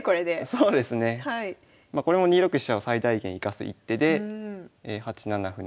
まこれも２六飛車を最大限生かす一手で８七歩成。